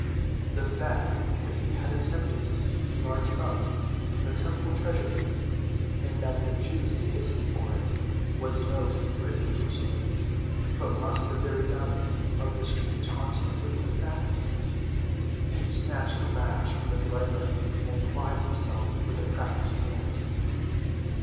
The fact that he had attempted to seize large sums from the temple treasuries, and that the Jews hated him for it, was no secret in Jerusalem. But must the very gamins of the street taunt him with the fact? He snatched the lash from the driver and plied it himself with a practiced hand.